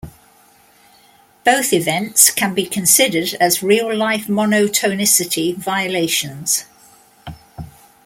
Both events can be considered as real-life monotonicity violations.